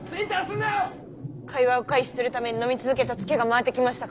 会話を回避するために飲み続けたツケが回ってきましたか。